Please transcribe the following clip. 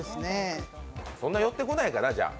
そんな寄ってこないかな、じゃあ。